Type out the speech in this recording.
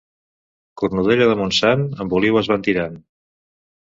Cornudella de Montsant, amb olives van tirant.